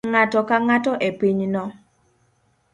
Ng'ato ka ng'ato e pinyno